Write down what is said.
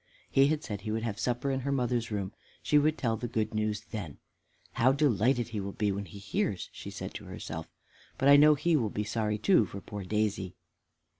He had said he would have supper in her mother's room. She would tell the good news then. "How delighted he will be when he hears," she said to herself, "but I know he will be sorry too for poor Daisy."